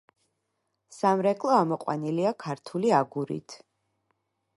სამრეკლო ამოყვანილია ქართული აგურით.